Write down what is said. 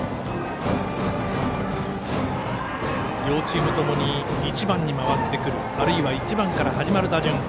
両チームともに１番に回ってくるあるいは１番から始まる打順。